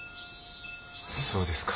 そうですか。